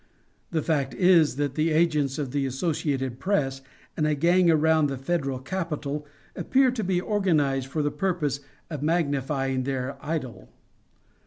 The fact is that the agents of the Associated Press and a gang around the Federal Capitol appear to be organized for the purpose of magnifying their idol.